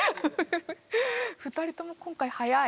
２人とも今回早い。